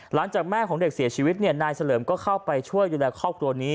หลังจากแม่ของเด็กเสียชีวิตนายเฉลิมก็เข้าไปช่วยดูแลครอบครัวนี้